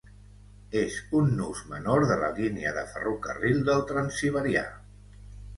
És un nus menor de la línia de ferrocarril del Transsiberià.